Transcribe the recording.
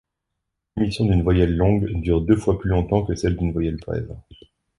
L'émission d'une voyelle longue dure deux fois plus longtemps que celle d'une voyelle brève.